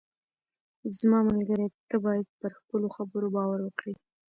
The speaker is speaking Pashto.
زما ملګری، ته باید پر خپلو خبرو باور وکړې.